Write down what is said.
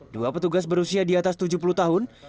dua petugas berusia di atas tujuh puluh tahun